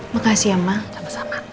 makasih ya ma sama sama